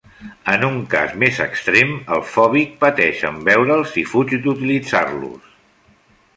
En un cas més extrem el fòbic pateix en veure'ls i fuig d'utilitzar-los.